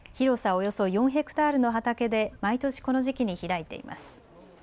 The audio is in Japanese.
およそ４ヘクタールの畑で毎年この時期に開いています。